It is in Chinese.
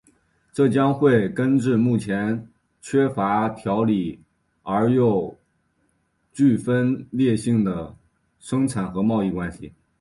这将会根治目前缺乏条理而又具分裂性的生产和贸易关系。